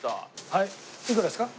はいいくらですか？